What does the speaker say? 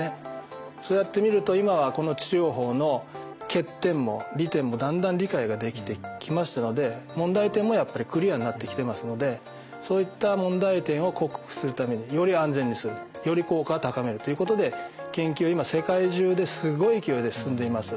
そうやってみると今はこの治療法の欠点も利点もだんだん理解ができてきましたので問題点もやっぱりクリアになってきてますのでそういった問題点を克服するためにより安全にするより効果を高めるということで研究が今世界中ですごい勢いで進んでいます。